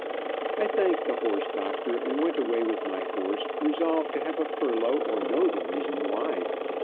I thanked the horse doctor and went away with my horse, resolved to have a furlough or know the reason why.